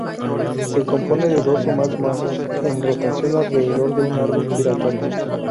Se compone de dos o más masas en rotación alrededor de un árbol giratorio.